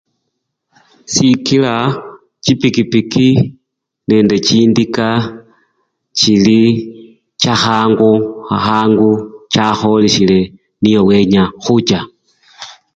Sikila chipikipiki nende chindika chili chakhangukhangu chakhwolesele niyo wenya khucha.